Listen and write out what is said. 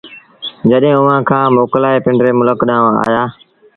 جڏهيݩ اُئآݩ کآݩ موڪلآئي پنڊري ملڪ ڏآݩهݩ آيآ